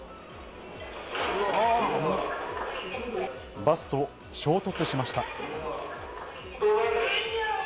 バスと衝突しました。